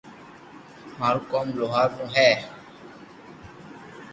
مارو ڪوم لوھار رو ھي